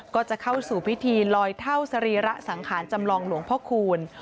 ก็จะเข้าสู่พิธีลอยเท่าสรีระสังขารจำลองหลวงพ่อคูณ